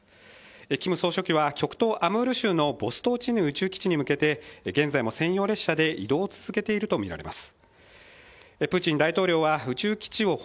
キム総書記は極東アムール州のボストーチヌイ宇宙基地に向けて現在も専用列車で移動を続けているとみられます